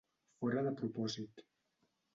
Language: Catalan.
Fora de propòsit.